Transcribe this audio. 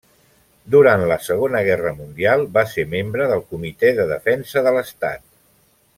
Durant la Segona Guerra Mundial va ser membre del Comitè de Defensa de l'Estat.